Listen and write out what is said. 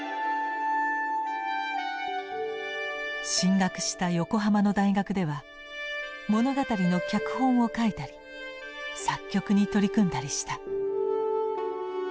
進学した横浜の大学では物語の脚本を書いたり作曲に取り組んだりした。